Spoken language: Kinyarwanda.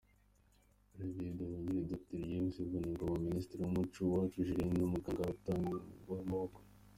Olivier Nduhungire, Dr James Vuningoma, Minisitiri w’ Umuco Uwacu Julienne, n’ Umuganga Rutangarwamaboko.